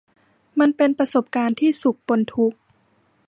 มันเป็นประสบการณ์ที่สุขปนทุกข์